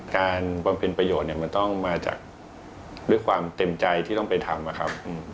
การประโยชน์มันต้องมาจากด้วยความเต็มใจที่ต้องไปทำ